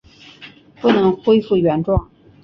不能回复原状